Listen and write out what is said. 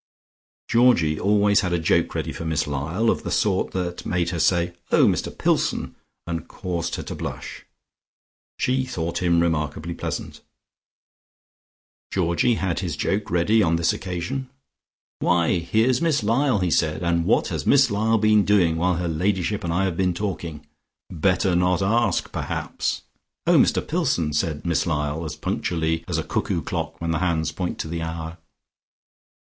Georgie always had a joke ready for Miss Lyall, of the sort that made her say, "Oh, Mr Pillson!" and caused her to blush. She thought him remarkably pleasant. Georgie had his joke ready on this occasion. "Why, here's Miss Lyall!" he said. "And what has Miss Lyall been doing while her ladyship and I have been talking? Better not ask, perhaps." "Oh, Mr Pillson!" said Miss Lyall, as punctually as a cuckoo clock when the hands point to the hour.